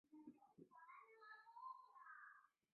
黄巴宇和孙智慧的儿子泰英被指认为真正的罪魁祸首。